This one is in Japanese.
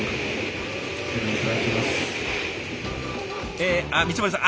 えあ光森さん！